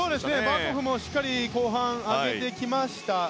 バーコフもしっかり後半上げてきました。